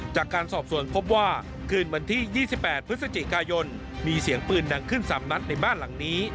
จากการสอบส่วนพบว่าคืนวันที่๒๘พฤศจิกายนมีเสียงปืนดังขึ้น๓นัดในบ้านหลังนี้